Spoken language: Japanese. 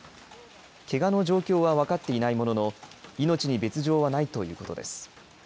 けがの状況は分かっていないものの命に別状はないということです。